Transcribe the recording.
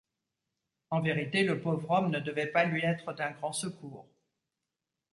En vérité, le pauvre homme ne devait pas lui être d’un grand secours.